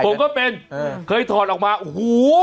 ผมก็เป็นเคยถอดออกมาหูวววว